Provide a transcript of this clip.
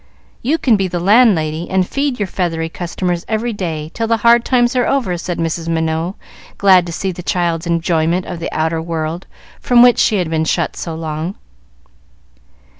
You can be the landlady, and feed your feathery customers every day, till the hard times are over," said Mrs. Minot, glad to see the child's enjoyment of the outer world from which she had been shut so long.